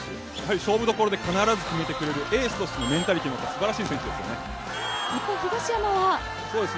勝負どころで必ず決めてくれるエースとしてのメンタリティを持っている一方、東山は。